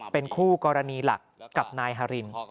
เป็นคู่กรณีหลักกับนายฮาริน